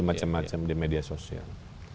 macam macam di media sosial